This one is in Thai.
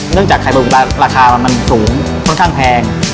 เนื่องจากไข่ปลาหมึกราคามันสูงค่อนข้างแพง